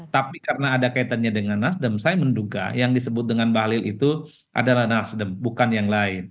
tapi karena ada kaitannya dengan nasdem saya menduga yang disebut dengan bahlil itu adalah nasdem bukan yang lain